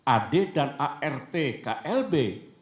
ad dan art klb